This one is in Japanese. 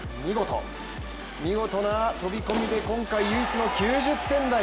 見事な飛び込みで今回唯一の９０点台。